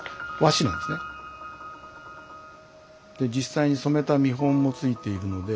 で実際に染めた見本も付いているので。